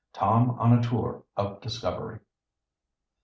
TOM ON A TOUR OF DISCOVERY.